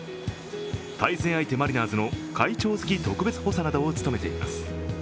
対戦相手マリナーズの会長付特別補佐などを務めています。